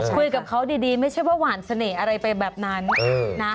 คุยกับเขาดีไม่ใช่ว่าหวานเสน่ห์อะไรไปแบบนั้นนะ